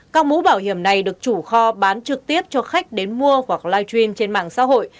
các mũ bảo hiểm này được chủ kho bán trực tiếp cho khách đến mua hoặc live stream trên mạng xã hội